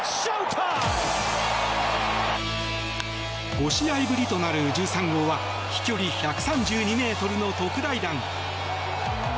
５試合ぶりとなる１３号は飛距離１３２ｍの特大弾！